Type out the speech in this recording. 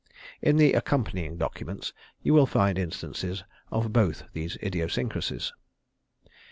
In the accompanying documents you will find instances of both these idiosyncrasies.